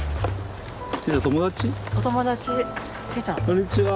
こんにちは。